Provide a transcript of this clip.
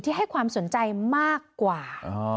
ให้ความสนใจมากกว่า